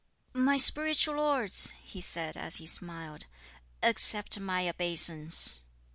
"My spiritual lords," he said, as he smiled, "accept my obeisance."